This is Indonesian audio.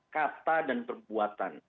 kata dan perbuatan